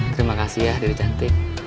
terima kasih ya diri cantik